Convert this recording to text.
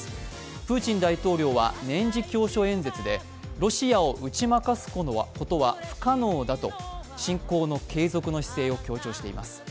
プーチン大統領は年次教書演説でロシアを打ち負かすことは不可能だと侵攻の継続の姿勢を強調しています。